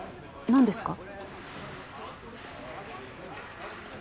何ですか？